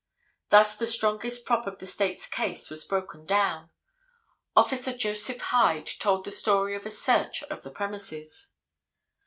Thus the strongest prop of the State's case was broken down. Officer Joseph Hyde told the story of a search of the premises.